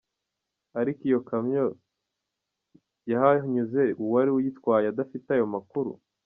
Ariko iyo kamyo yahanyuze uwari uyitwaye adafite ayo makuru.